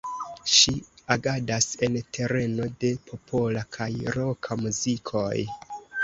Ŝi agadas en tereno de popola kaj roka muzikoj.